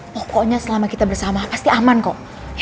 pokoknya selama kita bersama pasti aman kok